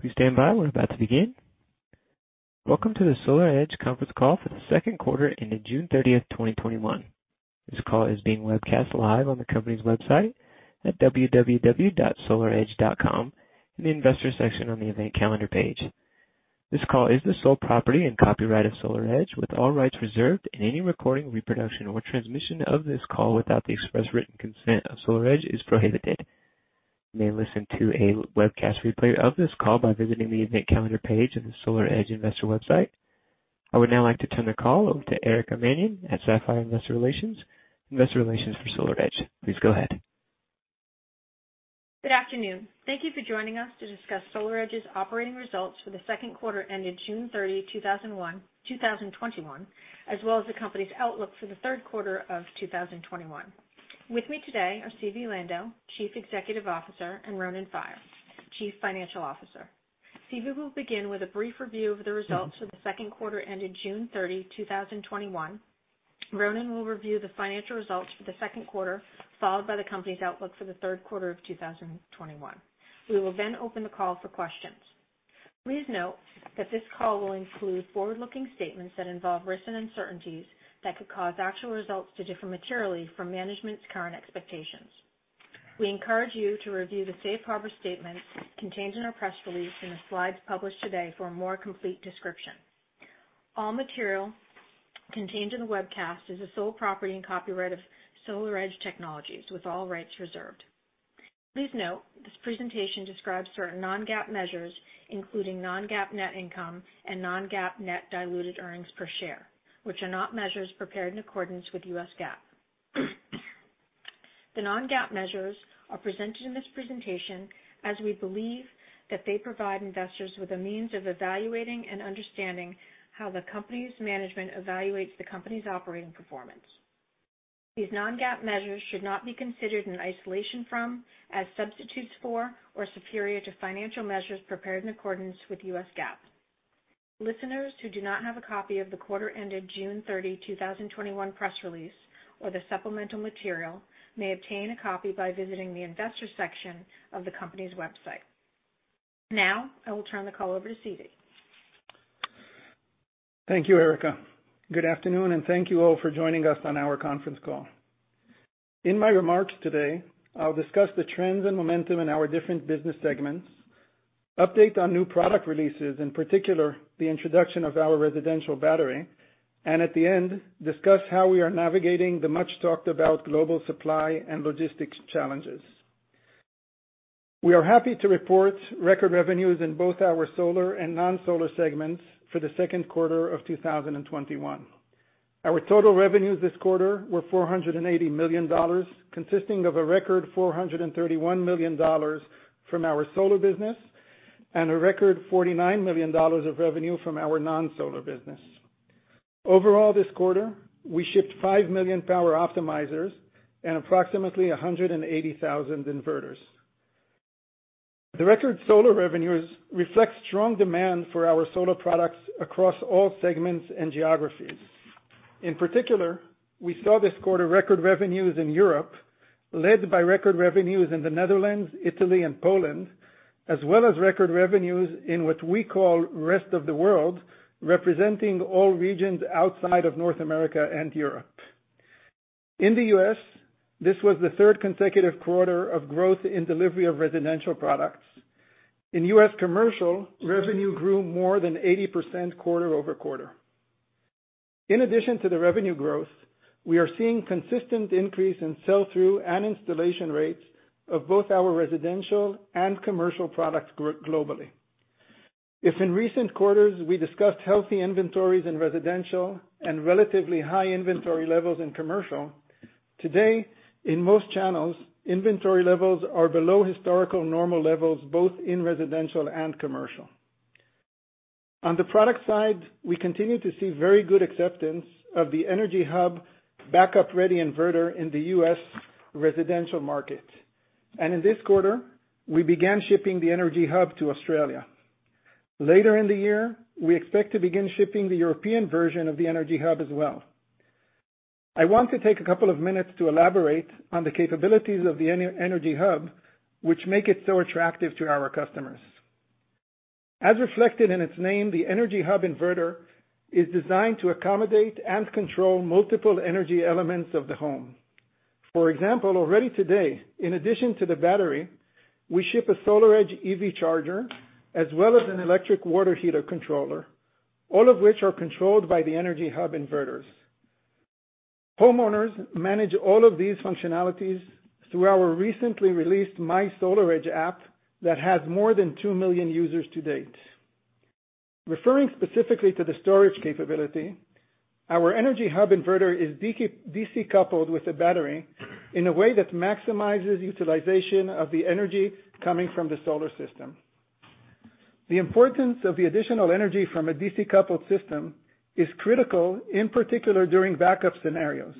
Please stand by. We're about to begin. Welcome to the SolarEdge conference call for the second quarter ending June 30th, 2021. This call is being webcast live on the company's website at www.solaredge.com in the Investors section on the Event Calendar page. This call is the sole property and copyright of SolarEdge, with all rights reserved, and any recording, reproduction, or transmission of this call without the express written consent of SolarEdge is prohibited. You may listen to a webcast replay of this call by visiting the Event Calendar page on the SolarEdge investor website. I would now like to turn the call over to Erica Mannion at Sapphire Investor Relations, investor relations for SolarEdge. Please go ahead. Good afternoon. Thank you for joining us to discuss SolarEdge's operating results for the second quarter ending June 30th, 2021, as well as the company's outlook for the third quarter of 2021. With me today are Zvi Lando, Chief Executive Officer, and Ronen Faier, Chief Financial Officer. Zvi will begin with a brief review of the results for the second quarter ending June 30th, 2021. Ronen will review the financial results for the second quarter, followed by the company's outlook for the third quarter of 2021. We will open the call for questions. Please note that this call will include forward-looking statements that involve risks and uncertainties that could cause actual results to differ materially from management's current expectations. We encourage you to review the safe harbor statement contained in our press release in the slides published today for a more complete description. All material contained in the webcast is the sole property and copyright of SolarEdge Technologies, with all rights reserved. Please note, this presentation describes certain non-GAAP measures, including non-GAAP net income and non-GAAP net diluted earnings per share, which are not measures prepared in accordance with U.S. GAAP. The non-GAAP measures are presented in this presentation as we believe that they provide investors with a means of evaluating and understanding how the company's management evaluates the company's operating performance. These non-GAAP measures should not be considered in isolation from, as substitutes for, or superior to financial measures prepared in accordance with U.S. GAAP. Listeners who do not have a copy of the quarter ending June 30th, 2021, press release or the supplemental material may obtain a copy by visiting the Investors section of the company's website. Now, I will turn the call over to Zvi Lando. Thank you, Erica. Good afternoon, and thank you all for joining us on our conference call. In my remarks today, I'll discuss the trends and momentum in our different business segments, update on new product releases, in particular, the introduction of our residential battery, at the end, discuss how we are navigating the much-talked-about global supply and logistics challenges. We are happy to report record revenues in both our solar and non-solar segments for the second quarter of 2021. Our total revenues this quarter were $480 million, consisting of a record $431 million from our solar business and a record $49 million of revenue from our non-solar business. Overall, this quarter, we shipped five million Power Optimizers and approximately 180,000 inverters. The record solar revenues reflect strong demand for our solar products across all segments and geographies. In particular, we saw this quarter record revenues in Europe, led by record revenues in the Netherlands, Italy, and Poland, as well as record revenues in what we call Rest of the World, representing all regions outside of North America and Europe. In the U.S., this was the third consecutive quarter of growth in delivery of residential products. In U.S. commercial, revenue grew more than 80% quarter-over-quarter. In addition to the revenue growth, we are seeing consistent increase in sell-through and installation rates of both our residential and commercial products globally. If in recent quarters we discussed healthy inventories in residential and relatively high inventory levels in commercial, today, in most channels, inventory levels are below historical normal levels, both in residential and commercial. On the product side, we continue to see very good acceptance of the Energy Hub backup-ready inverter in the U.S. residential market. In this quarter, we began shipping the Energy Hub to Australia. Later in the year, we expect to begin shipping the European version of the Energy Hub as well. I want to take a couple of minutes to elaborate on the capabilities of the Energy Hub, which make it so attractive to our customers. As reflected in its name, the Energy Hub inverter is designed to accommodate and control multiple energy elements of the home. For example, already today, in addition to the battery, we ship a SolarEdge EV Charger as well as an electric water heater controller, all of which are controlled by the Energy Hub inverters. Homeowners manage all of these functionalities through our recently released mySolarEdge app that has more than two million users to date. Referring specifically to the storage capability, our Energy Hub inverter is DC-coupled with a battery in a way that maximizes utilization of the energy coming from the solar system. The importance of the additional energy from a DC-coupled system is critical, in particular, during backup scenarios.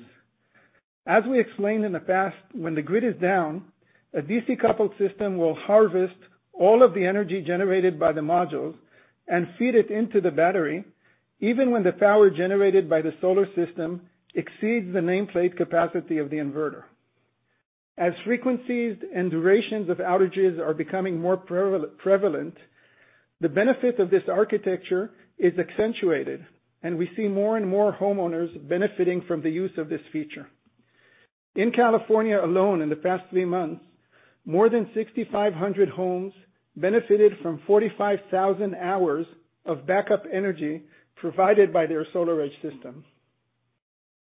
As we explained in the past, when the grid is down, a DC-coupled system will harvest all of the energy generated by the modules and feed it into the battery. Even when the power generated by the solar system exceeds the nameplate capacity of the inverter. As frequencies and durations of outages are becoming more prevalent, the benefit of this architecture is accentuated, and we see more and more homeowners benefiting from the use of this feature. In California alone in the past three months, more than 6,500 homes benefited from 45,000 hours of backup energy provided by their SolarEdge system.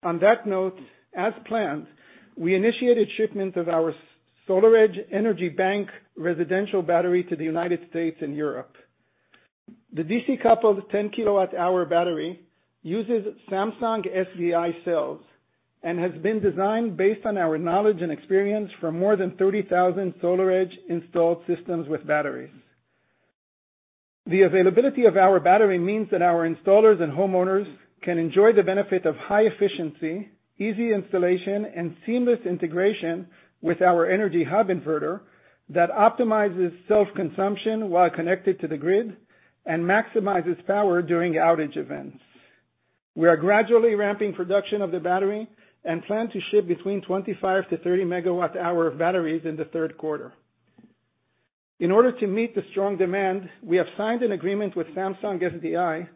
On that note, as planned, we initiated shipment of our SolarEdge Energy Bank residential battery to the U.S. and Europe. The DC-coupled 10 kWh battery uses Samsung SDI cells and has been designed based on our knowledge and experience from more than 30,000 SolarEdge installed systems with batteries. The availability of our battery means that our installers and homeowners can enjoy the benefit of high efficiency, easy installation, and seamless integration with our Energy Hub inverter that optimizes self-consumption while connected to the grid and maximizes power during outage events. We are gradually ramping production of the battery and plan to ship between 25 MWh-30 MWh of batteries in the third quarter. In order to meet the strong demand, we have signed an agreement with Samsung SDI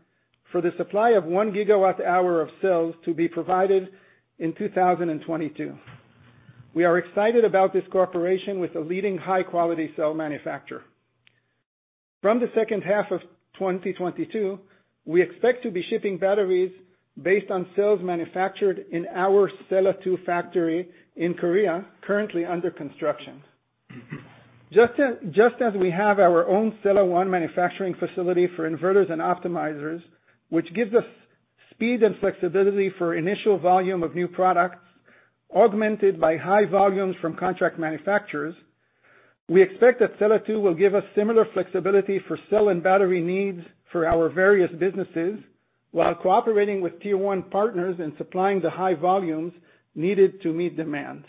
for the supply of 1 GWh of cells to be provided in 2022. We are excited about this cooperation with a leading high-quality cell manufacturer. From the second half of 2022, we expect to be shipping batteries based on cells manufactured in our Sella 2 factory in Korea, currently under construction. Just as we have our own Sella 1 manufacturing facility for inverters and optimizers, which gives us speed and flexibility for initial volume of new products, augmented by high volumes from contract manufacturers, we expect that Sella 2 will give us similar flexibility for cell and battery needs for our various businesses, while cooperating with tier one partners in supplying the high volumes needed to meet demand.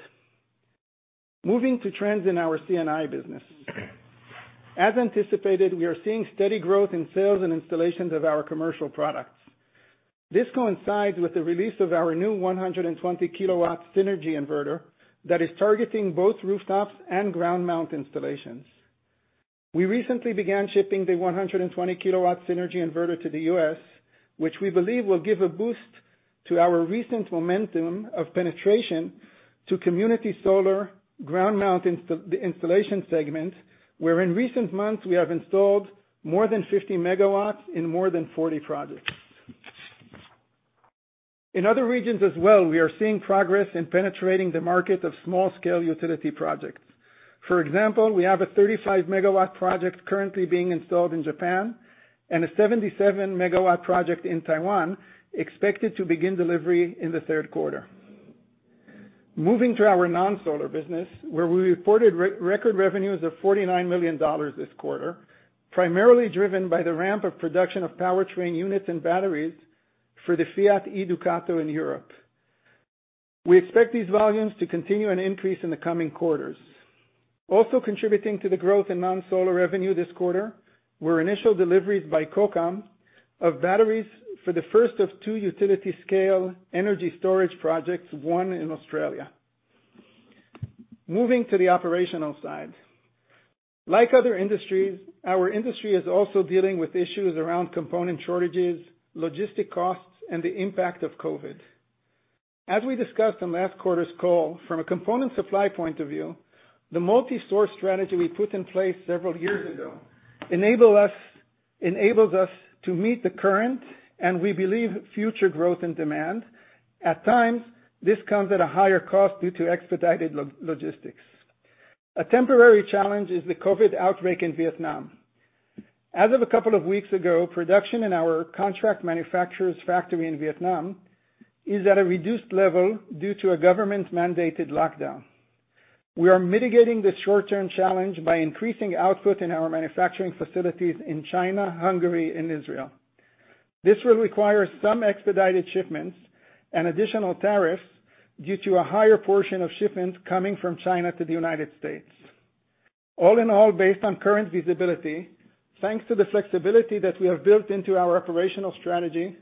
Moving to trends in our C&I business. As anticipated, we are seeing steady growth in sales and installations of our commercial products. This coincides with the release of our new 120 kW Synergy inverter that is targeting both rooftops and ground mount installations. We recently began shipping the 120 kW Synergy inverter to the U.S., which we believe will give a boost to our recent momentum of penetration to community solar ground mount installation segment, where in recent months, we have installed more than 50 MW in more than 40 projects. In other regions as well, we are seeing progress in penetrating the market of small scale utility projects. For example, we have a 35 MW project currently being installed in Japan, and a 77 MW project in Taiwan expected to begin delivery in the third quarter. Moving to our non-solar business, where we reported record revenues of $49 million this quarter, primarily driven by the ramp of production of powertrain units and batteries for the Fiat E-Ducato in Europe. We expect these volumes to continue and increase in the coming quarters. Also contributing to the growth in non-solar revenue this quarter were initial deliveries by Kokam of batteries for the first of two utility scale energy storage projects, one in Australia. Moving to the operational side. Like other industries, our industry is also dealing with issues around component shortages, logistic costs, and the impact of COVID. As we discussed on last quarter's call, from a component supply point of view, the multi-source strategy we put in place several years ago enables us to meet the current, and we believe future growth and demand. At times, this comes at a higher cost due to expedited logistics. A temporary challenge is the COVID outbreak in Vietnam. As of a couple of weeks ago, production in our contract manufacturer's factory in Vietnam is at a reduced level due to a government-mandated lockdown. We are mitigating this short-term challenge by increasing output in our manufacturing facilities in China, Hungary, and Israel. This will require some expedited shipments and additional tariffs due to a higher portion of shipments coming from China to the United States. All in all, based on current visibility, thanks to the flexibility that we have built into our operational strategy,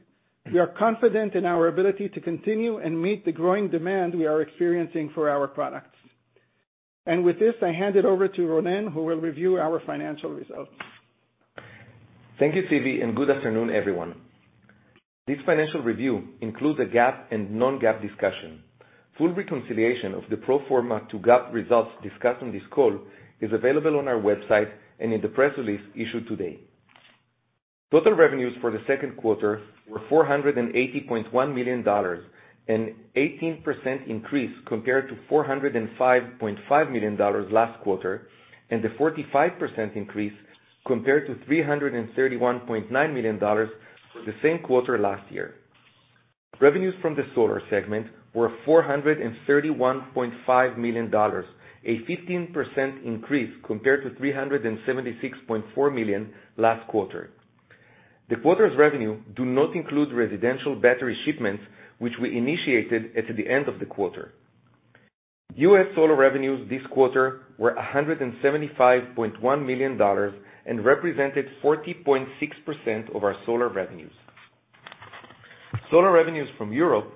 we are confident in our ability to continue and meet the growing demand we are experiencing for our products. With this, I hand it over to Ronen, who will review our financial results. Thank you, Zvi, and good afternoon, everyone. This financial review includes a GAAP and non-GAAP discussion. Full reconciliation of the pro forma to GAAP results discussed on this call is available on our website and in the press release issued today. Total revenues for the second quarter were $480.1 million, an 18% increase compared to $405.5 million last quarter, and a 45% increase compared to $331.9 million for the same quarter last year. Revenues from the solar segment were $431.5 million, a 15% increase compared to $376.4 million last quarter. The quarter's revenue do not include residential battery shipments, which we initiated at the end of the quarter. U.S. solar revenues this quarter were $175.1 million and represented 40.6% of our solar revenues. Solar revenues from Europe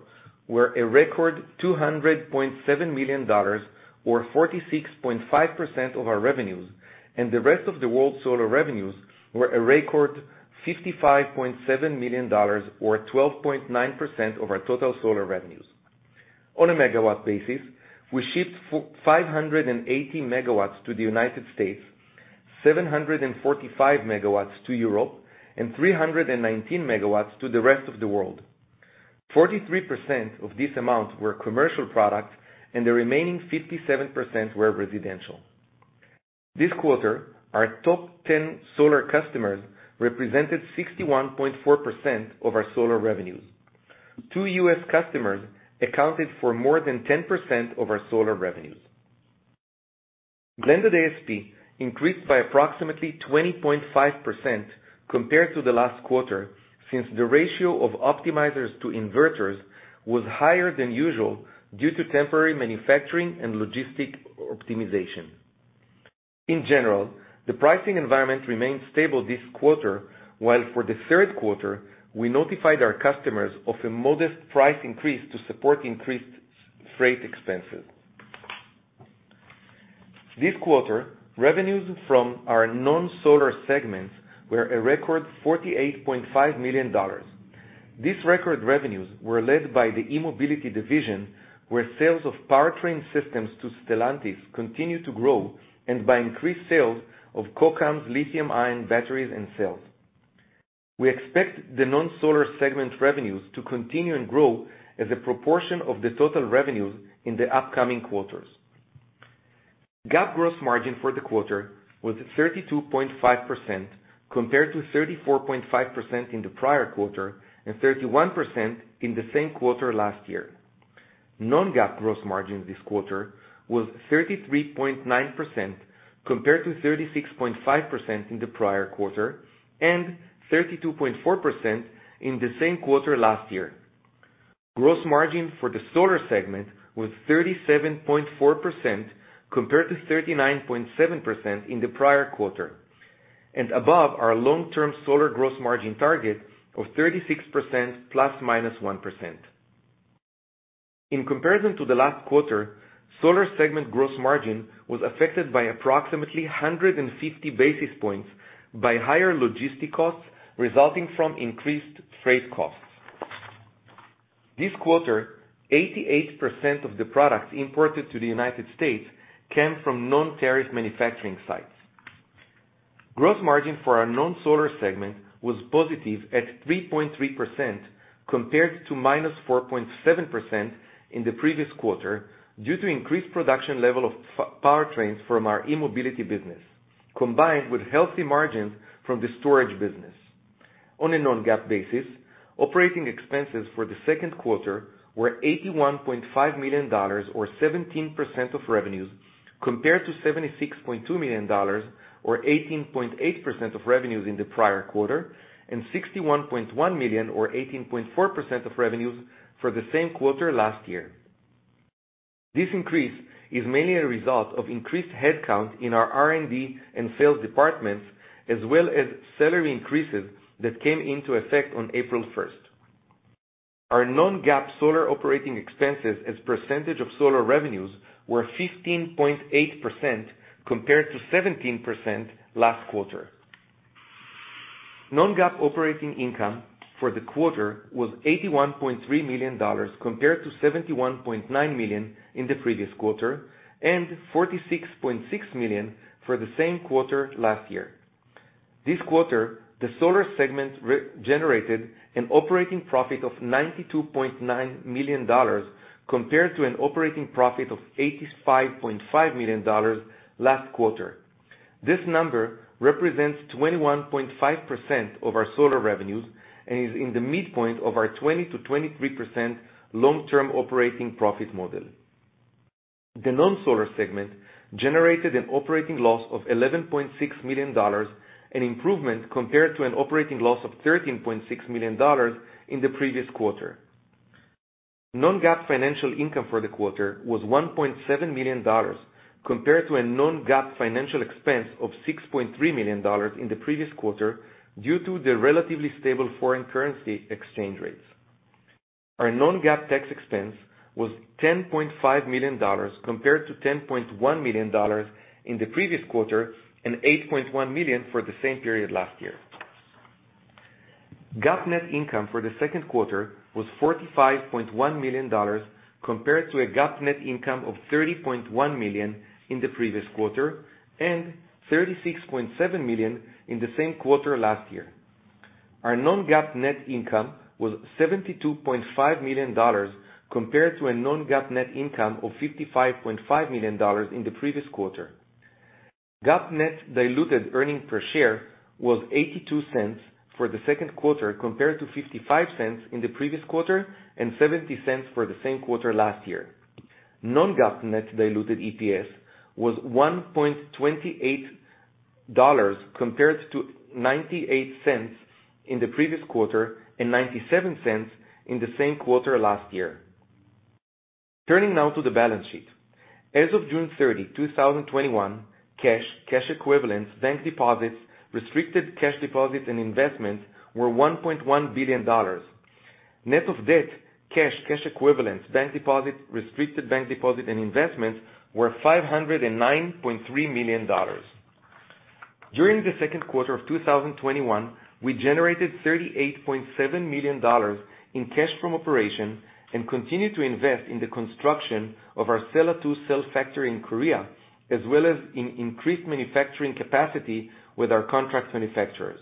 were a record $200.7 million, or 46.5% of our revenues, and the rest of the world's solar revenues were a record $55.7 million, or 12.9% of our total solar revenues. On a megawatt basis, we shipped 580 MW to the U.S., 745 MW to Europe, and 319 MW to the rest of the world. 43% of this amount were commercial products, and the remaining 57% were residential. This quarter, our top 10 solar customers represented 61.4% of our solar revenues. Two U.S. customers accounted for more than 10% of our solar revenues. Blended ASP increased by approximately 20.5% compared to the last quarter, since the ratio of optimizers to inverters was higher than usual due to temporary manufacturing and logistic optimization. In general, the pricing environment remained stable this quarter, while for the third quarter, we notified our customers of a modest price increase to support increased freight expenses. This quarter, revenues from our non-solar segments were a record $48.5 million. These record revenues were led by the e-Mobility division, where sales of powertrain systems to Stellantis continued to grow, and by increased sales of Kokam's lithium-ion batteries and cells. We expect the non-solar segment revenues to continue and grow as a proportion of the total revenues in the upcoming quarters. GAAP gross margin for the quarter was 32.5%, compared to 34.5% in the prior quarter and 31% in the same quarter last year. Non-GAAP gross margin this quarter was 33.9%, compared to 36.5% in the prior quarter and 32.4% in the same quarter last year. Gross margin for the Solar segment was 37.4%, compared to 39.7% in the prior quarter, and above our long-term Solar gross margin target of 36% ±1%. In comparison to the last quarter, Solar segment gross margin was affected by approximately 150 basis points by higher logistic costs resulting from increased freight costs. This quarter, 88% of the products imported to the U.S. came from non-tariff manufacturing sites. Gross margin for our non-Solar segment was positive at 3.3%, compared to -4.7% in the previous quarter, due to increased production level of powertrains from our e-Mobility business, combined with healthy margins from the storage business. On a non-GAAP basis, operating expenses for the second quarter were $81.5 million, or 17% of revenues, compared to $76.2 million, or 18.8% of revenues in the prior quarter, and $61.1 million or 18.4% of revenues for the same quarter last year. This increase is mainly a result of increased headcount in our R&D and sales departments, as well as salary increases that came into effect on April 1st. Our non-GAAP solar operating expenses as percentage of solar revenues were 15.8%, compared to 17% last quarter. Non-GAAP operating income for the quarter was $81.3 million, compared to $71.9 million in the previous quarter, and $46.6 million for the same quarter last year. This quarter, the solar segment generated an operating profit of $92.9 million, compared to an operating profit of $85.5 million last quarter. This number represents 21.5% of our solar revenues and is in the midpoint of our 20%-23% long-term operating profit model. The non-solar segment generated an operating loss of $11.6 million, an improvement compared to an operating loss of $13.6 million in the previous quarter. Non-GAAP financial income for the quarter was $1.7 million, compared to a non-GAAP financial expense of $6.3 million in the previous quarter, due to the relatively stable foreign currency exchange rates. Our non-GAAP tax expense was $10.5 million, compared to $10.1 million in the previous quarter and $8.1 million for the same period last year. GAAP net income for the second quarter was $45.1 million, compared to a GAAP net income of $30.1 million in the previous quarter and $36.7 million in the same quarter last year. Our non-GAAP net income was $72.5 million, compared to a non-GAAP net income of $55.5 million in the previous quarter. GAAP net diluted earning per share was $0.82 for the second quarter, compared to $0.55 in the previous quarter and $0.70 for the same quarter last year. Non-GAAP net diluted EPS was $1.28 compared to $0.98 in the previous quarter and $0.97 in the same quarter last year. Turning now to the balance sheet. As of June 30th, 2021, cash equivalents, bank deposits, restricted cash deposits and investments were $1.1 billion. Net of debt, cash equivalents, bank deposits, restricted bank deposits and investments were $509.3 million. During the second quarter of 2021, we generated $38.7 million in cash from operation and continue to invest in the construction of our Sella 2 factory in Korea, as well as in increased manufacturing capacity with our contract manufacturers.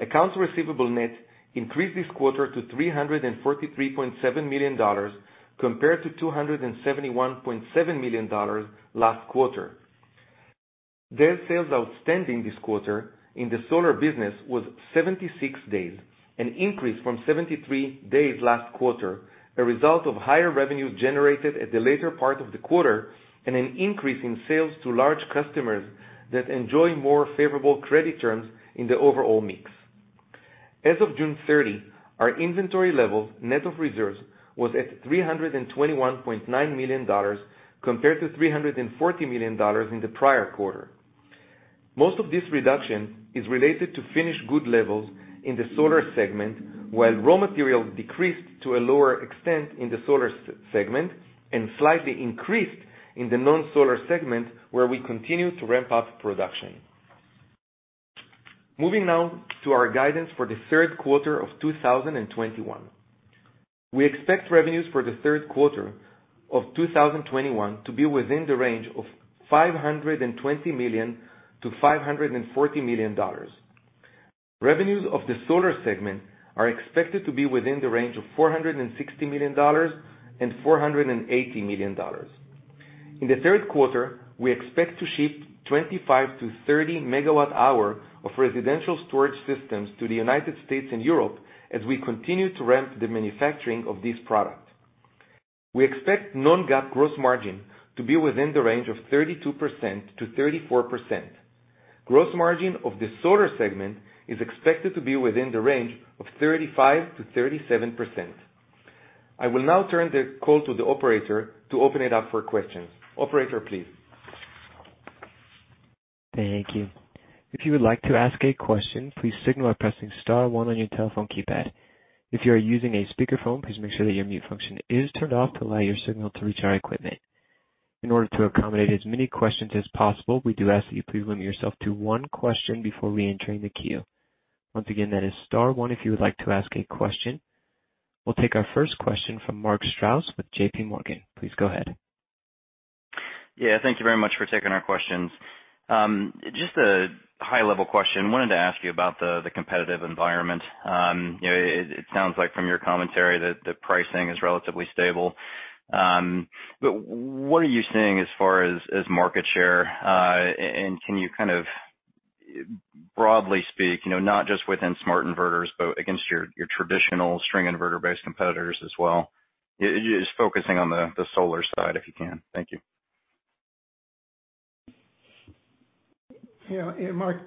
Accounts receivable net increased this quarter to $343.7 million compared to $271.7 million last quarter. Days sales outstanding this quarter in the solar business was 76 days, an increase from 73 days last quarter, a result of higher revenue generated at the later part of the quarter and an increase in sales to large customers that enjoy more favorable credit terms in the overall mix. As of June 30th, our inventory level, net of reserves, was at $321.9 million compared to $340 million in the prior quarter. Most of this reduction is related to finished good levels in the solar segment, while raw materials decreased to a lower extent in the solar segment and slightly increased in the non-solar segment, where we continue to ramp up production. Moving now to our guidance for the third quarter of 2021. We expect revenues for the third quarter of 2021 to be within the range of $520 million-$540 million. Revenues of the solar segment are expected to be within the range of $460 million-$480 million. In the third quarter, we expect to ship 25 MWh-30 MWh of residential storage systems to the U.S. and Europe as we continue to ramp the manufacturing of this product. We expect non-GAAP gross margin to be within the range of 32%-34%. Gross margin of the solar segment is expected to be within the range of 35%-37%. I will now turn the call to the operator to open it up for questions. Operator, please. Thank you. If you would like to ask a question, please signal by pressing star one on your telephone keypad. If you are using a speakerphone, please make sure that your mute function is turned off to allow your signal to reach our equipment. In order to accommodate as many questions as possible, we do ask that you please limit yourself to one question before reentering the queue. Once again, that is star one if you would like to ask a question. We'll take our first question from Mark Strouse with JPMorgan. Please go ahead. Yeah. Thank you very much for taking our questions. Just a high level question. Wanted to ask you about the competitive environment. It sounds like from your commentary that the pricing is relatively stable. What are you seeing as far as market share? Can you kind of broadly speak, not just within smart inverters, but against your traditional string inverter-based competitors as well? Just focusing on the solar side, if you can. Thank you. Yeah. Mark,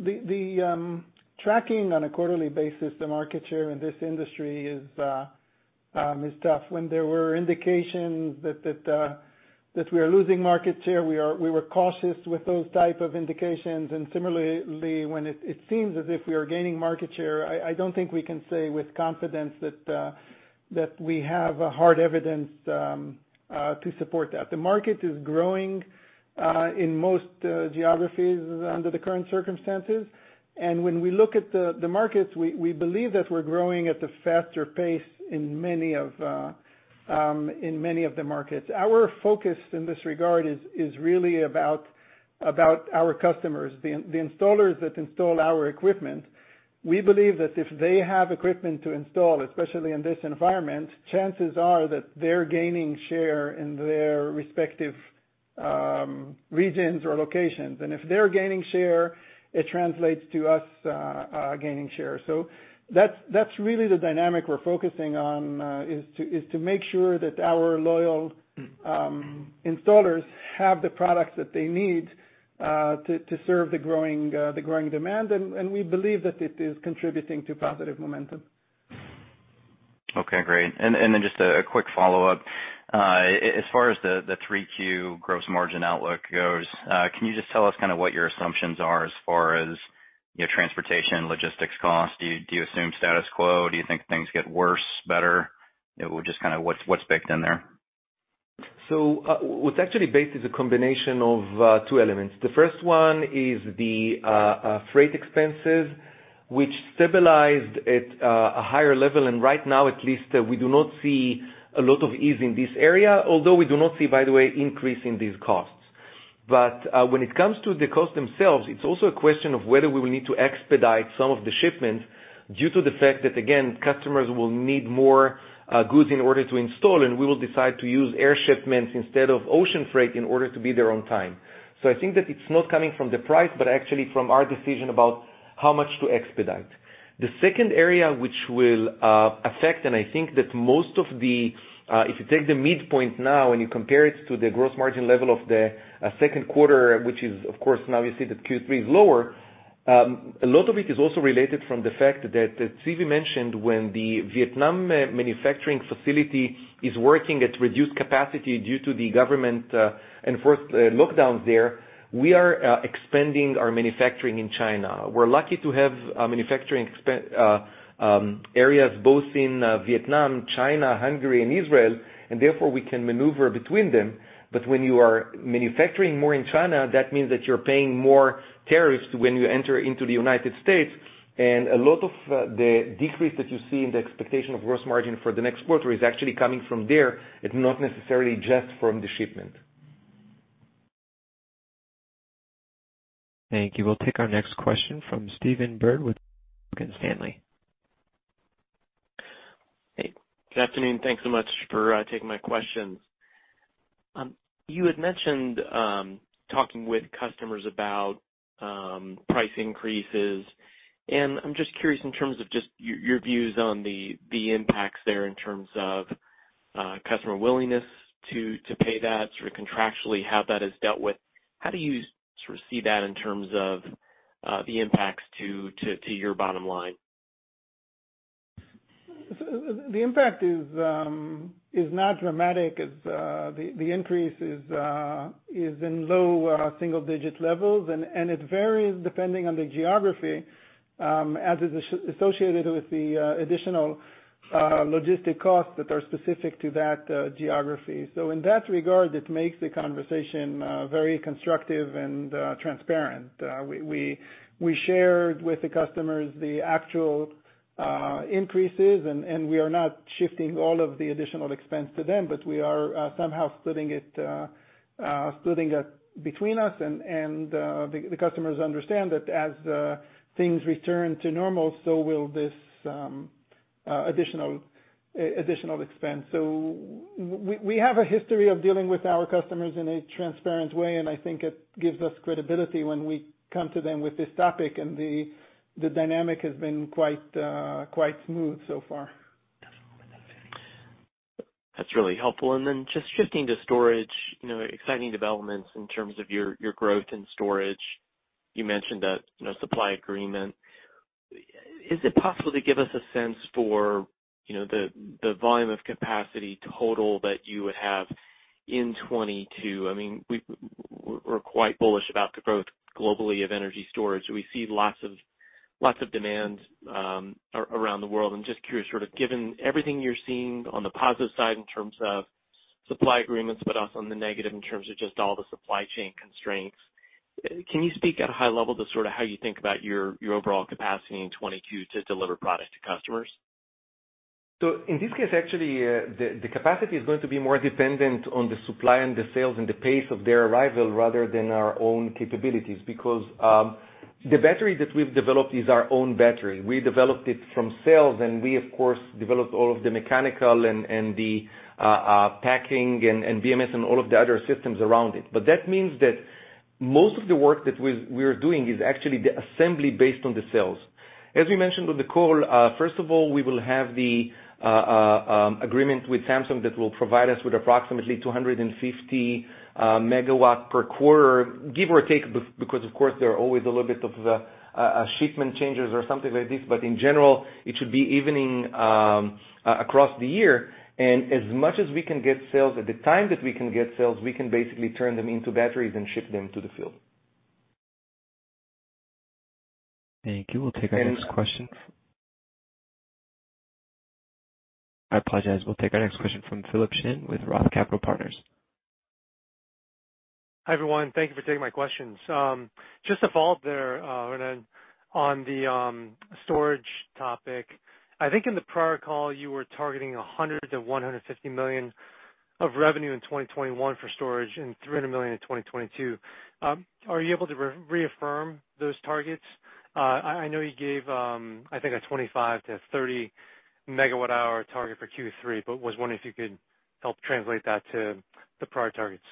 the tracking on a quarterly basis, the market share in this industry is tough. When there were indications that we are losing market share, we were cautious with those type of indications. Similarly, when it seems as if we are gaining market share, I don't think we can say with confidence that we have hard evidence to support that. The market is growing, in most geographies under the current circumstances. When we look at the markets, we believe that we're growing at a faster pace in many of the markets. Our focus in this regard is really about our customers, the installers that install our equipment. We believe that if they have equipment to install, especially in this environment, chances are that they're gaining share in their respective regions or locations. If they're gaining share, it translates to us gaining share. That's really the dynamic we're focusing on, is to make sure that our loyal installers have the products that they need to serve the growing demand. We believe that it is contributing to positive momentum. Okay, great. Just a quick follow-up. As far as the Q3 gross margin outlook goes, can you just tell us kind of what your assumptions are as far as transportation, logistics cost? Do you assume status quo? Do you think things get worse, better? Just kind of what's baked in there? What's actually baked is a combination of two elements. The first one is the freight expenses, which stabilized at a higher level. Right now, at least, we do not see a lot of ease in this area, although we do not see, by the way, increase in these costs. When it comes to the cost themselves, it's also a question of whether we will need to expedite some of the shipments due to the fact that, again, customers will need more goods in order to install, and we will decide to use air shipments instead of ocean freight in order to be there on time. I think that it's not coming from the price, but actually from our decision about how much to expedite? The second area which will affect, and I think that if you take the midpoint now and you compare it to the gross margin level of the second quarter, which is, of course, now we see that Q3 is lower. A lot of it is also related from the fact that, as Zvi mentioned, when the Vietnam manufacturing facility is working at reduced capacity due to the government enforced lockdowns there, we are expanding our manufacturing in China. We're lucky to have manufacturing areas both in Vietnam, China, Hungary and Israel, and therefore we can maneuver between them. When you are manufacturing more in China, that means that you're paying more tariffs when you enter into the United States. A lot of the decrease that you see in the expectation of gross margin for the next quarter is actually coming from there. It's not necessarily just from the shipment. Thank you. We'll take our next question from Stephen Byrd with Morgan Stanley. Hey. Good afternoon. Thanks so much for taking my questions. You had mentioned, talking with customers about price increases. I'm just curious in terms of just your views on the impacts there in terms of customer willingness to pay that, sort of contractually how that is dealt with. How do you sort of see that in terms of the impacts to your bottom line? The impact is not dramatic as the increase is in low single-digit levels, and it varies depending on the geography, as is associated with the additional logistic costs that are specific to that geography. In that regard, it makes the conversation very constructive and transparent. We shared with the customers the actual increases, and we are not shifting all of the additional expense to them, but we are somehow splitting it between us. The customers understand that as things return to normal, so will this additional expense. We have a history of dealing with our customers in a transparent way, and I think it gives us credibility when we come to them with this topic, and the dynamic has been quite smooth so far. That's really helpful. Just shifting to storage. Exciting developments in terms of your growth in storage. You mentioned a supply agreement. Is it possible to give us a sense for the volume of capacity total that you would have in 2022? We're quite bullish about the growth globally of energy storage. We see lots of demand around the world. I'm just curious, sort of given everything you're seeing on the positive side in terms of supply agreements, but also on the negative in terms of just all the supply chain constraints. Can you speak at a high level to sort of how you think about your overall capacity in 2022 to deliver product to customers? In this case, actually, the capacity is going to be more dependent on the supply and the sales and the pace of their arrival rather than our own capabilities. The battery that we've developed is our own battery. We developed it from cells, and we of course, developed all of the mechanical and the packing and BMS and all of the other systems around it. That means that most of the work that we're doing is actually the assembly based on the cells. We mentioned on the call, first of all, we will have the agreement with Samsung that will provide us with approximately 250 MW per quarter, give or take, because of course, there are always a little bit of shipment changes or something like this, but in general, it should be evening across the year. As much as we can get cells at the time that we can get cells, we can basically turn them into batteries and ship them to the field. Thank you. We'll take our next question. I apologize. We'll take our next question from Philip Shen with Roth Capital Partners. Hi, everyone. Thank you for taking my questions. Just to follow up there, Ronen, on the storage topic. I think in the prior call, you were targeting $100 million-$150 million of revenue in 2021 for storage and $300 million in 2022. Are you able to reaffirm those targets? I know you gave, I think a 25 MWh-30 MWh target for Q3, but was wondering if you could help translate that to the prior targets.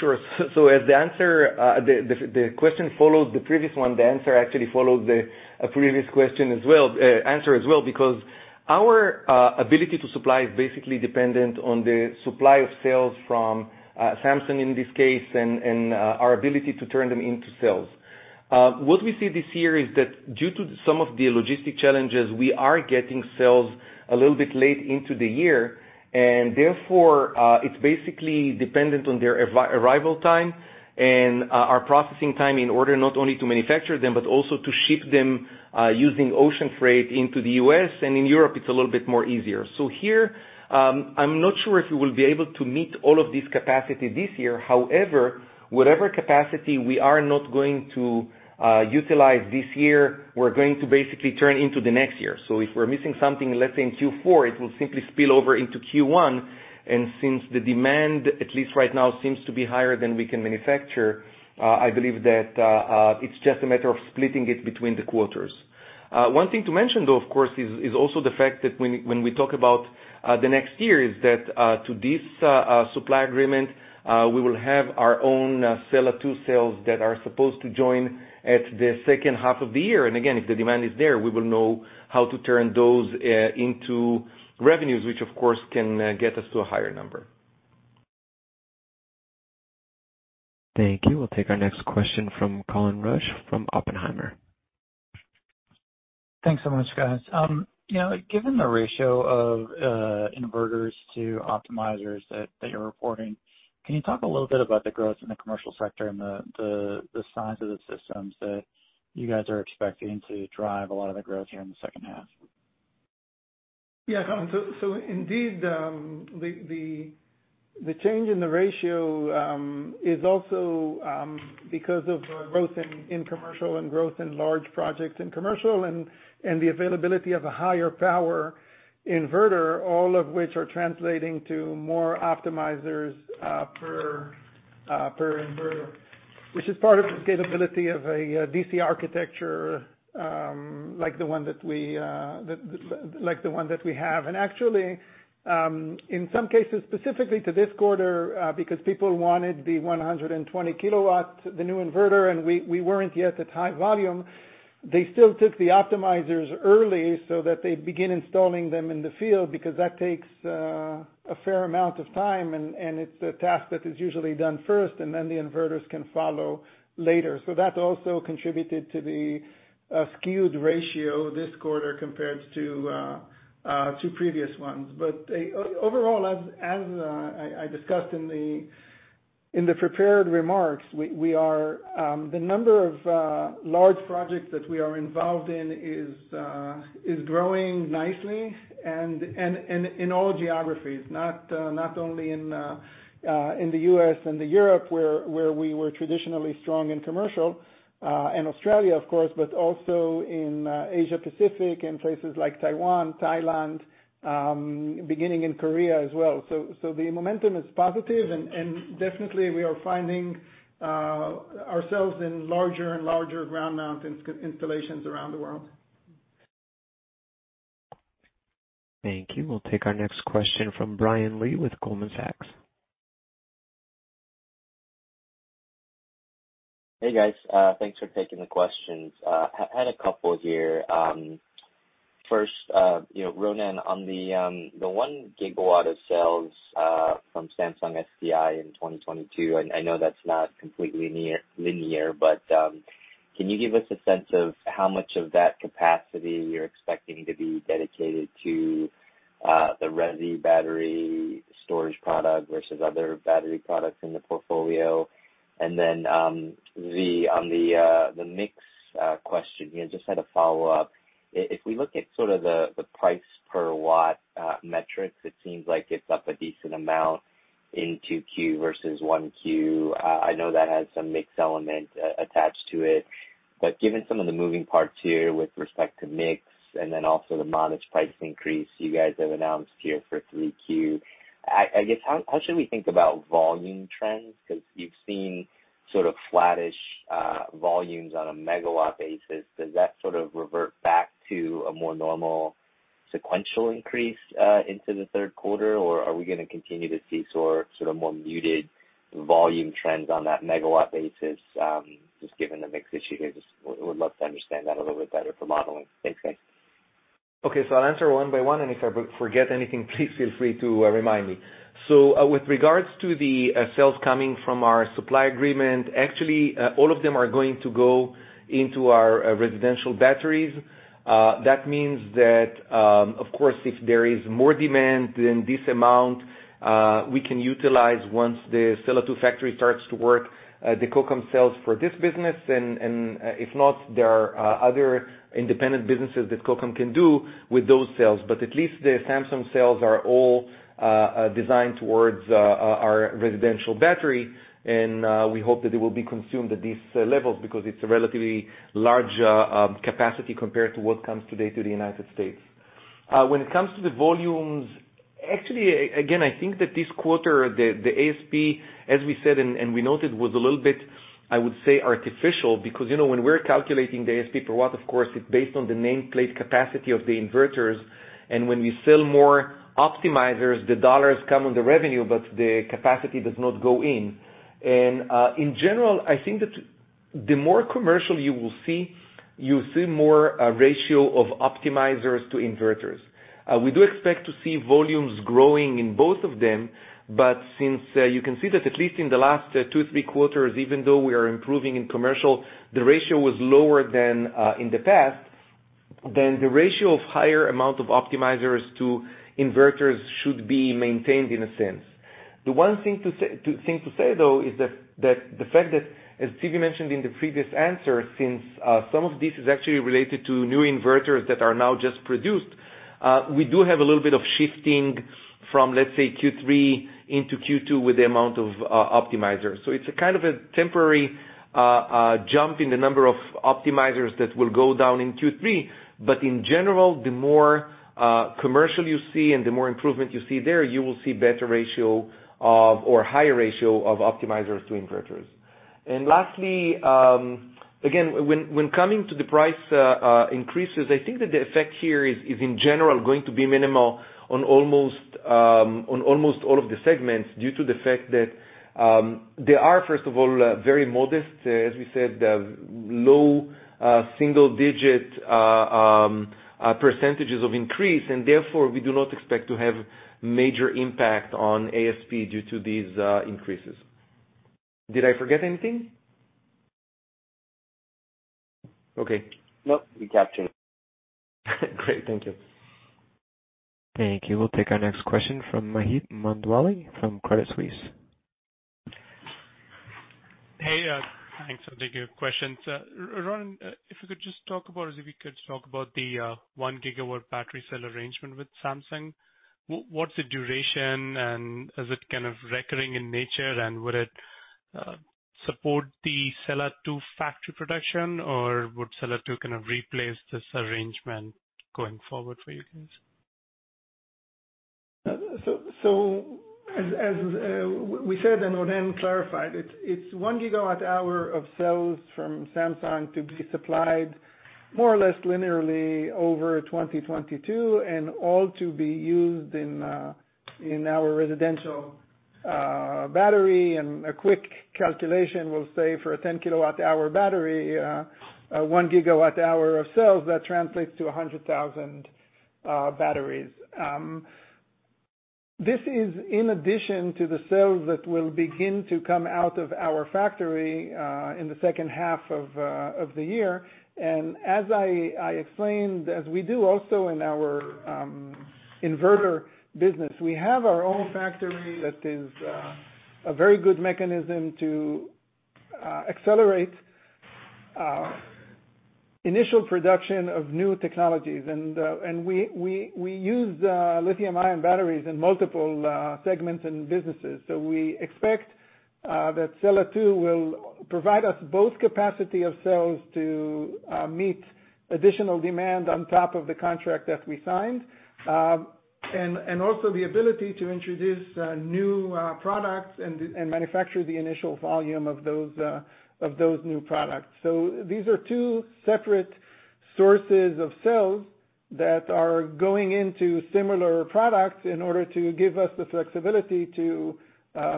Sure. As the question followed the previous one, the answer actually followed the previous answer as well, because our ability to supply is basically dependent on the supply of cells from Samsung in this case, and our ability to turn them into cells. What we see this year is that due to some of the logistic challenges, we are getting cells a little bit late into the year, and therefore, it's basically dependent on their arrival time and our processing time in order not only to manufacture them, but also to ship them, using ocean freight into the U.S. In Europe, it's a little bit more easier. Here, I'm not sure if we will be able to meet all of this capacity this year. However, whatever capacity we are not going to utilize this year, we're going to basically turn into the next year. If we're missing something, let's say in Q4, it will simply spill over into Q1. Since the demand, at least right now, seems to be higher than we can manufacture, I believe that it's just a matter of splitting it between the quarters. One thing to mention, though, of course, is also the fact that when we talk about the next year, is that to this supply agreement, we will have our own Sella 2 cells that are supposed to join at the second half of the year. Again, if the demand is there, we will know how to turn those into revenues, which of course, can get us to a higher number. Thank you. We'll take our next question from Colin Rusch from Oppenheimer. Thanks so much, guys. Given the ratio of inverters to optimizers that you're reporting, can you talk a little bit about the growth in the commercial sector and the size of the systems that you guys are expecting to drive a lot of the growth here in the second half? Yeah, Colin. Indeed, the change in the ratio is also because of our growth in commercial and growth in large projects in commercial, and the availability of a higher power inverter, all of which are translating to more optimizers per inverter, which is part of the scalability of a DC architecture, like the one that we have. Actually, in some cases, specifically to this quarter, because people wanted the 120 kW, the new inverter, and we weren't yet at high volume, they still took the optimizers early so that they begin installing them in the field, because that takes a fair amount of time, and it's a task that is usually done first, and then the inverters can follow later. That also contributed to the skewed ratio this quarter compared to previous ones. Overall, as I discussed in the prepared remarks, the number of large projects that we are involved in is growing nicely and in all geographies, not only in the U.S. and the Europe, where we were traditionally strong in commercial, and Australia, of course, but also in Asia-Pacific and places like Taiwan, Thailand, beginning in Korea as well. The momentum is positive and definitely we are finding ourselves in larger and larger ground mount installations around the world. Thank you. We'll take our next question from Brian Lee with Goldman Sachs. Hey, guys. Thanks for taking the questions. I had a couple here. First, Ronen, on the 1 GW of cells from Samsung SDI in 2022, I know that's not completely linear, but can you give us a sense of how much of that capacity you're expecting to be dedicated to the Resi battery storage product versus other battery products in the portfolio? On the mix question, just had a follow-up. If we look at sort of the price per watt metrics, it seems like it's up a decent amount in Q2 versus Q1. I know that has some mix element attached to it, but given some of the moving parts here with respect to mix and then also the modest price increase you guys have announced here for Q3, I guess, how should we think about volume trends? You've seen sort of flattish volumes on a megawatt basis. Does that sort of revert back to a more normal sequential increase into the third quarter? Are we going to continue to see sort of more muted volume trends on that megawatt basis, just given the mix issue here? Just would love to understand that a little bit better for modeling. Thanks, guys. Okay. I'll answer one by one, and if I forget anything, please feel free to remind me. With regards to the sales coming from our supply agreement, actually, all of them are going to go into our residential batteries. That means that, of course, if there is more demand than this amount, we can utilize once the Sella 2 factory starts to work, the Kokam cells for this business, and if not, there are other independent businesses that Kokam can do with those cells. At least the Samsung cells are all designed towards our residential battery, and we hope that they will be consumed at these levels because it's a relatively large capacity compared to what comes today to the United States. When it comes to the volumes, actually, again, I think that this quarter, the ASP, as we said and we noted, was a little bit, I would say, artificial, because when we're calculating the ASP per watt, of course, it's based on the nameplate capacity of the inverters. When we sell more optimizers, the dollars come on the revenue, but the capacity does not go in. In general, I think that the more commercial you will see, you see more ratio of optimizers to inverters. We do expect to see volumes growing in both of them, but since you can see that at least in the last two, three quarters, even though we are improving in commercial, the ratio was lower than in the past, then the ratio of higher amount of optimizers to inverters should be maintained in a sense. The one thing to say, though, is that the fact that, as Zvi Lando mentioned in the previous answer, since some of this is actually related to new inverters that are now just produced, we do have a little bit of shifting from, let's say, Q3 into Q2 with the amount of optimizers. It's a kind of a temporary jump in the number of optimizers that will go down in Q3. In general, the more commercial you see and the more improvement you see there, you will see better ratio or higher ratio of optimizers to inverters. Lastly, again, when coming to the price increases, I think that the effect here is in general going to be minimal on almost all of the segments due to the fact that they are, first of all, very modest. As we said, low single-digit percentage of increase. Therefore, we do not expect to have major impact on ASP due to these increases. Did I forget anything? Okay. Nope, we captured it. Great. Thank you. Thank you. We'll take our next question from Maheep Mandloi from Credit Suisse. Hey. Thanks. I'll take a question. Ronen Faier, if you could just talk about the 1 GW battery cell arrangement with Samsung, what's the duration? Is it recurring in nature? Would it support the Sella 2 factory production or would Sella 2 kind of replace this arrangement going forward for you guys? As we said and Ronen clarified it's 1 GWh of cells from Samsung to be supplied more or less linearly over 2022 and all to be used in our residential battery. A quick calculation will say for a 10 kWh battery, 1 GWh of cells, that translates to 100,000 batteries. This is in addition to the cells that will begin to come out of our factory in the second half of the year. As I explained, as we do also in our inverter business, we have our own factory that is a very good mechanism to accelerate initial production of new technologies. We use lithium-ion batteries in multiple segments and businesses. We expect that Sella 2 will provide us both capacity of cells to meet additional demand on top of the contract that we signed, and also the ability to introduce new products and manufacture the initial volume of those new products. These are two separate sources of cells that are going into similar products in order to give us the flexibility to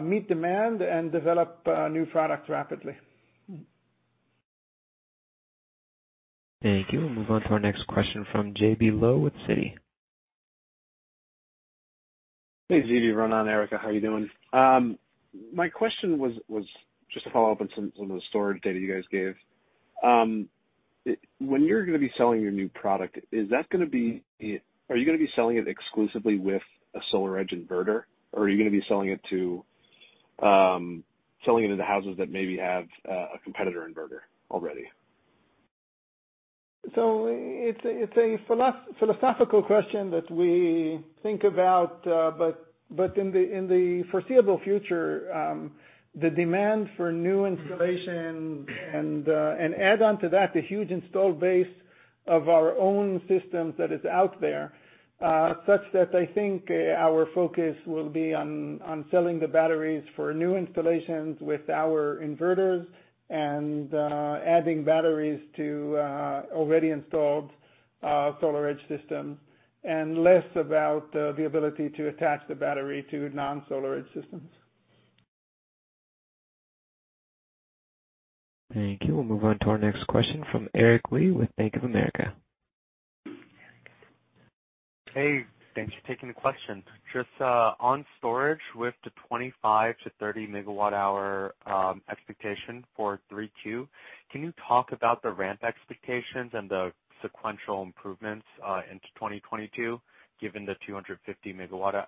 meet demand and develop new products rapidly. Thank you. We'll move on to our next question from J.B. Lowe with Citi. Hey, Zvi Lando, Ronen Faier, Erica Mannion, how are you doing? My question was just to follow up on some of the storage data you guys gave. When you're going to be selling your new product, are you going to be selling it exclusively with a SolarEdge inverter, or are you going to be selling it to the houses that maybe have a competitor inverter already? It's a philosophical question that we think about. In the foreseeable future, the demand for new installation and add-on to that, the huge installed base of our own systems that is out there, such that I think our focus will be on selling the batteries for new installations with our inverters and adding batteries to already installed SolarEdge systems, and less about the ability to attach the battery to non-SolarEdge systems. Thank you. We'll move on to our next question from Julien Dumoulin-Smith with Bank of America. Hey, thanks for taking the question. Just on storage, with the 25 MWh-30 MWh expectation for Q3, can you talk about the ramp expectations and the sequential improvements into 2022, given the 250 MWh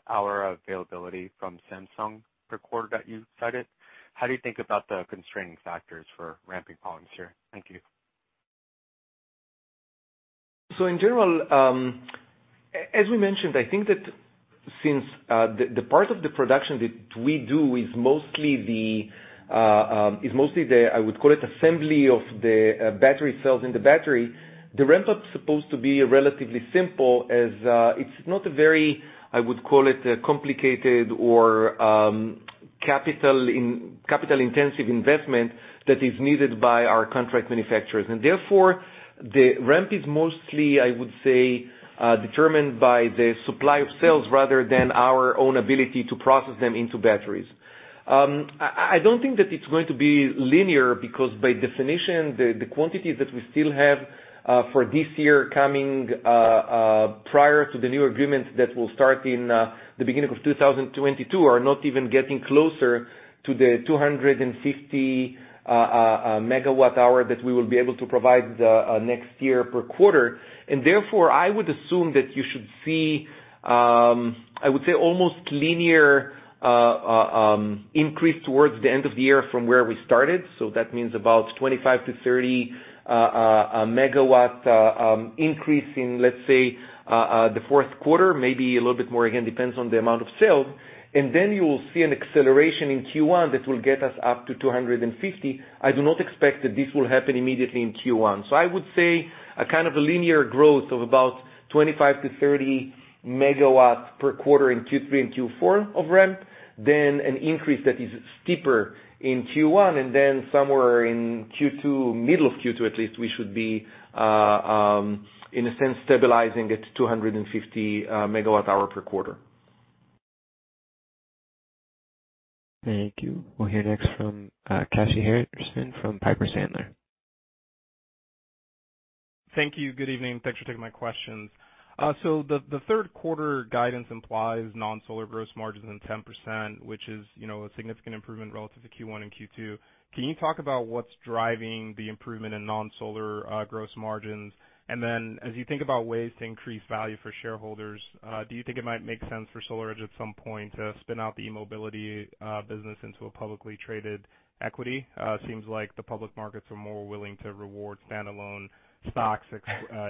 availability from Samsung per quarter that you cited? How do you think about the constraining factors for ramping volumes here? Thank you. In general, as we mentioned, I think that since the part of the production that we do is mostly the, I would call it assembly of the battery cells in the battery, the ramp-up is supposed to be relatively simple as it's not a very, I would call it, complicated or capital-intensive investment that is needed by our contract manufacturers. Therefore, the ramp is mostly, I would say, determined by the supply of cells rather than our own ability to process them into batteries. I don't think that it's going to be linear because by definition, the quantities that we still have for this year coming prior to the new agreement that will start in the beginning of 2022 are not even getting closer to the 250 MWh that we will be able to provide next year per quarter. Therefore, I would assume that you should see, I would say almost linear increase towards the end of the year from where we started. That means about 25 MW-30 MW increase in, let's say, the fourth quarter, maybe a little bit more, again, depends on the amount of sale. Then you will see an acceleration in Q1 that will get us up to 250 MW. I do not expect that this will happen immediately in Q1. I would say a kind of a linear growth of about 25 MW-30 MW per quarter in Q3 and Q4 of ramp, then an increase that is steeper in Q1, and then somewhere in Q2, middle of Q2 at least, we should be, in a sense, stabilizing at 250 MWh per quarter. Thank you. We'll hear next from Kashy Harrison from Piper Sandler. Thank you. Good evening. Thanks for taking my questions. The third quarter guidance implies non-solar gross margins in 10%, which is a significant improvement relative to Q1 and Q2. Can you talk about what's driving the improvement in non-solar gross margins? As you think about ways to increase value for shareholders, do you think it might make sense for SolarEdge at some point to spin out the e-Mobility business into a publicly traded equity? Seems like the public markets are more willing to reward standalone stocks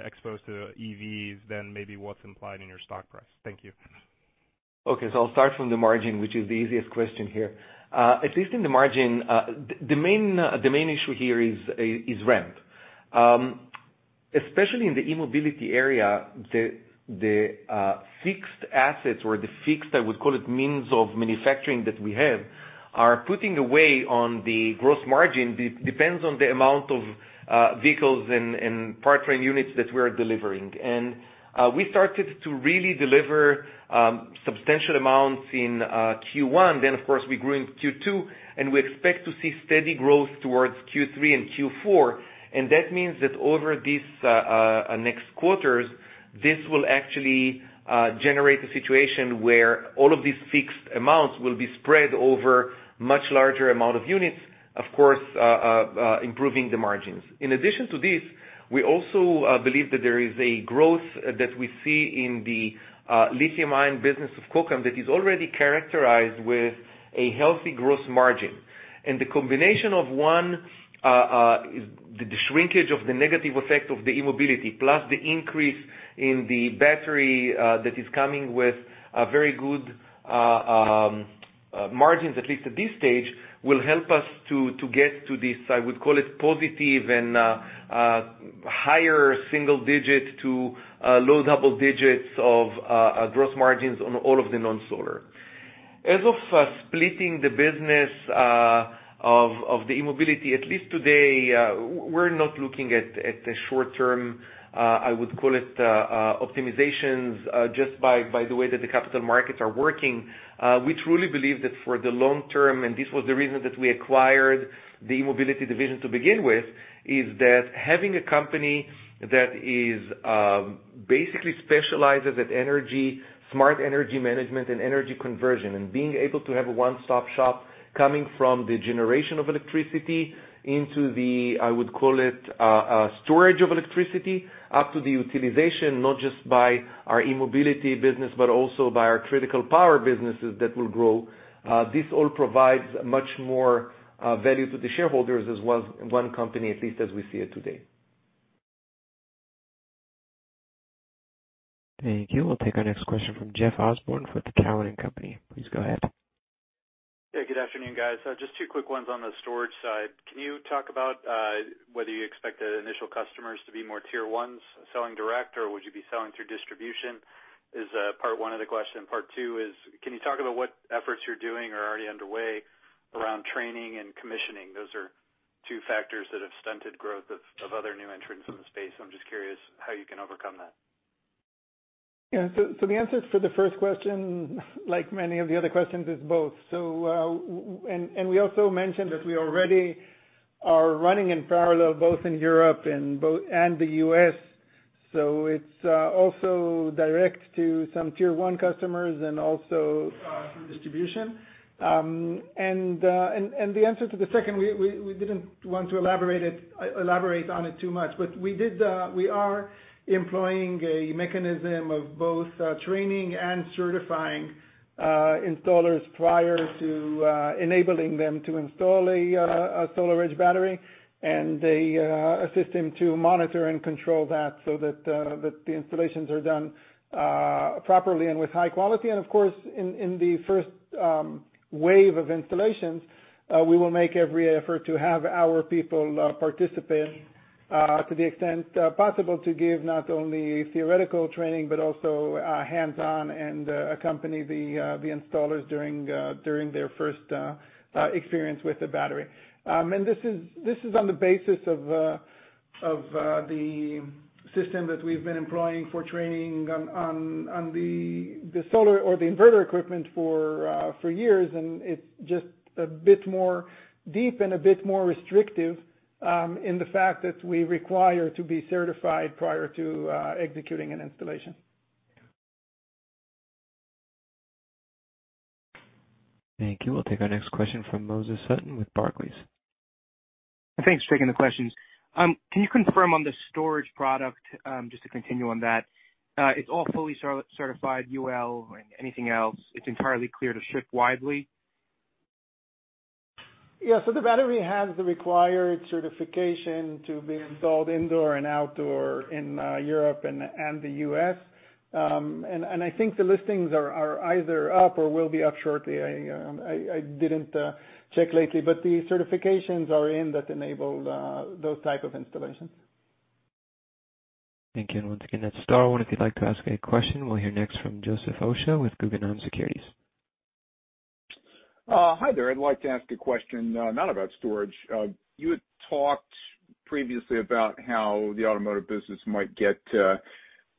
exposed to EVs than maybe what's implied in your stock price. Thank you. I'll start from the margin, which is the easiest question here. At least in the margin, the main issue here is rent. Especially in the e-Mobility area, the fixed assets or the fixed, I would call it means of manufacturing that we have, are putting away on the gross margin. Depends on the amount of vehicles and powertrain units that we're delivering. We started to really deliver substantial amounts in Q1. Of course, we grew in Q2, and we expect to see steady growth towards Q3 and Q4. That means that over these next quarters, this will actually generate a situation where all of these fixed amounts will be spread over much larger amount of units, of course, improving the margins. In addition to this, we also believe that there is a growth that we see in the lithium-ion business of Kokam that is already characterized with a healthy gross margin. The combination of one, the shrinkage of the negative effect of the e-Mobility, plus the increase in the battery that is coming with very good margins, at least at this stage, will help us to get to this, I would call it positive and higher single digit to low double digits of gross margins on all of the non-solar. As of splitting the business of the e-Mobility, at least today, we are not looking at the short-term, I would call it optimizations, just by the way that the capital markets are working. We truly believe that for the long term, and this was the reason that we acquired the e-Mobility division to begin with, is that having a company that basically specializes in energy, smart energy management, and energy conversion, and being able to have a one-stop shop coming from the generation of electricity into the, I would call it, storage of electricity up to the utilization, not just by our e-Mobility business, but also by our critical power businesses that will grow. This all provides much more value to the shareholders as one company, at least as we see it today. Thank you. We'll take our next question from Jeff Osborne with Cowen and Company. Please go ahead. Good afternoon, guys. Just two quick ones on the storage side. Can you talk about whether you expect the initial customers to be more tier ones selling direct, or would you be selling through distribution? Is part one of the question. Part two is, can you talk about what efforts you're doing are already underway around training and commissioning? Those are two factors that have stunted growth of other new entrants in the space. I'm just curious how you can overcome that. The answer for the first question, like many of the other questions, is both. We also mentioned that we already are running in parallel, both in Europe and the U.S., so it's also direct to some tier one customers and also through distribution. The answer to the second, we didn't want to elaborate on it too much, but we are employing a mechanism of both training and certifying installers prior to enabling them to install a SolarEdge battery and a system to monitor and control that so that the installations are done properly and with high quality. Of course, in the first wave of installations, we will make every effort to have our people participate to the extent possible to give not only theoretical training, but also hands-on and accompany the installers during their first experience with the battery. This is on the basis of the system that we've been employing for training on the solar or the inverter equipment for years, and it's just a bit more deep and a bit more restrictive in the fact that we require to be certified prior to executing an installation. Thank you. We'll take our next question from Moses Sutton with Barclays. Thanks for taking the questions. Can you confirm on the storage product, just to continue on that, it's all fully certified UL and anything else? It's entirely clear to ship widely? Yeah. The battery has the required certification to be installed indoor and outdoor in Europe and the U.S. I think the listings are either up or will be up shortly. I didn't check lately. The certifications are in that enable those type of installations. Thank you. Once again, that's star one if you'd like to ask a question. We'll hear next from Joseph Osha with Guggenheim Securities. Hi there. I'd like to ask a question, not about storage. You had talked previously about how the automotive business might get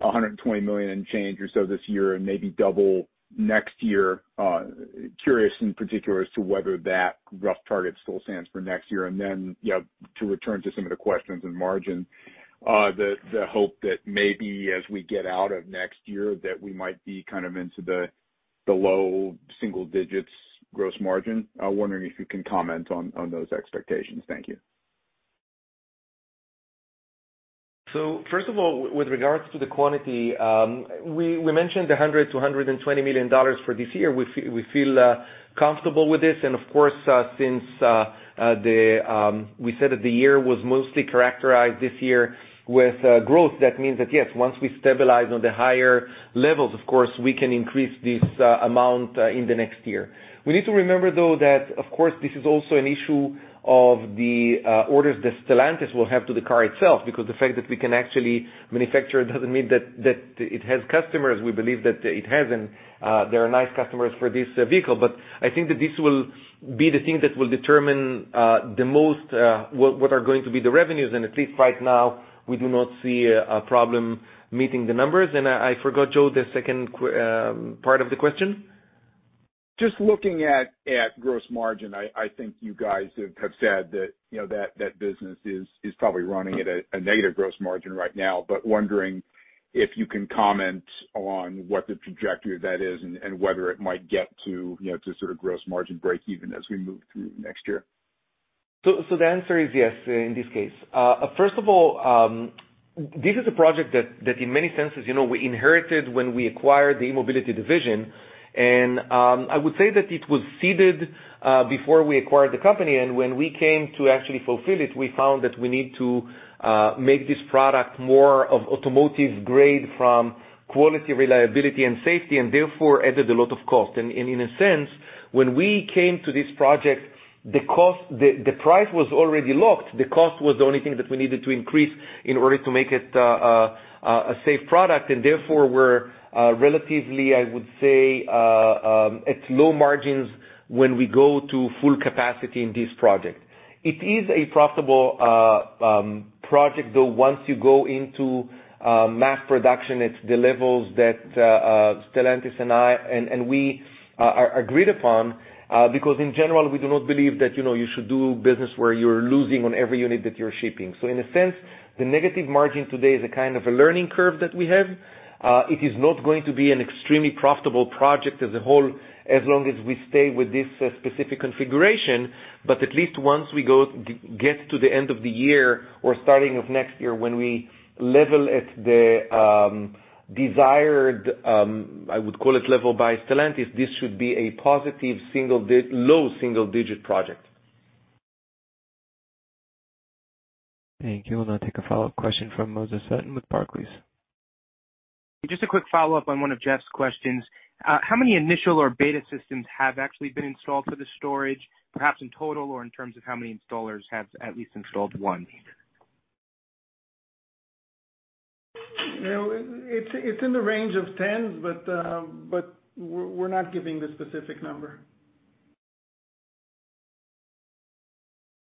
$120 million and change or so this year and maybe double next year. Curious in particular as to whether that rough target still stands for next year. Then, to return to some of the questions on margin, the hope that maybe as we get out of next year, that we might be into the low single digits gross margin. I was wondering if you can comment on those expectations. Thank you. First of all, with regards to the quantity, we mentioned $100 million-$120 million for this year. We feel comfortable with this, of course, since we said that the year was mostly characterized this year with growth, that means that, yes, once we stabilize on the higher levels, of course, we can increase this amount in the next year. We need to remember, though, that of course, this is also an issue of the orders that Stellantis will have to the car itself, because the fact that we can actually manufacture it doesn't mean that it has customers. We believe that it has, and there are nice customers for this vehicle. I think that this will be the thing that will determine the most, what are going to be the revenues. At least right now, we do not see a problem meeting the numbers. I forgot, Joseph, the second part of the question. Just looking at gross margin, I think you guys have said that that business is probably running at a negative gross margin right now, but wondering if you can comment on what the trajectory of that is and whether it might get to sort of gross margin breakeven as we move through next year. The answer is yes, in this case. First of all, this is a project that in many senses, we inherited when we acquired the e-Mobility division. I would say that it was seeded before we acquired the company, and when we came to actually fulfill it, we found that we need to make this product more of automotive grade from quality, reliability, and safety, and therefore added a lot of cost. In a sense, when we came to this project, the price was already locked. The cost was the only thing that we needed to increase in order to make it a safe product. Therefore, we're relatively, I would say, at low margins when we go to full capacity in this project. It is a profitable project, though, once you go into mass production at the levels that Stellantis and we agreed upon, because in general, we do not believe that you should do business where you're losing on every unit that you're shipping. In a sense, the negative margin today is a kind of a learning curve that we have. It is not going to be an extremely profitable project as a whole, as long as we stay with this specific configuration. At least once we get to the end of the year or starting of next year, when we level at the desired, I would call it level by Stellantis, this should be a positive, low single-digit project. Thank you. We'll now take a follow-up question from Moses Sutton with Barclays. Just a quick follow-up on one of Jeff's questions. How many initial or beta systems have actually been installed for the storage, perhaps in total, or in terms of how many installers have at least installed one? It's in the range of tens, but we're not giving the specific number.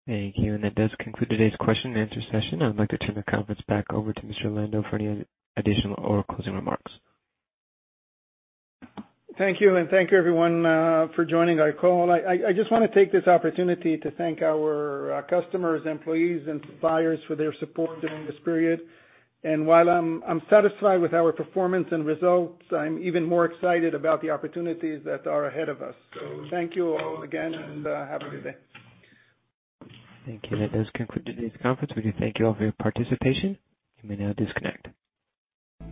Thank you. That does conclude today's question and answer session. I'd like to turn the conference back over to Mr. Lando for any additional or closing remarks. Thank you. Thank you everyone for joining our call. I just want to take this opportunity to thank our customers, employees, and suppliers for their support during this period. While I'm satisfied with our performance and results, I'm even more excited about the opportunities that are ahead of us. Thank you all again, and have a good day. Thank you. That does conclude today's conference. We do thank you all for your participation. You may now disconnect.